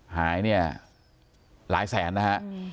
หายเนี่ยหลายแสนนะฮะ